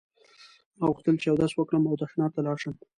ما غوښتل چې اودس وکړم او تشناب ته لاړ شم.